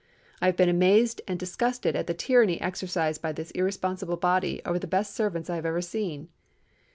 I have been amazed and disgusted at the tyranny exercised by this irresponsible body over the best servants I have ever seen.